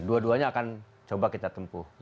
dua duanya akan coba kita tempuh